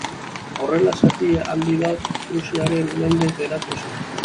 Horrela zati handi bat Prusiaren mende geratu zen.